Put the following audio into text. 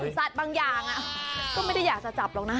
สัตว์บางอย่างก็ไม่ได้อยากจะจับหรอกนะ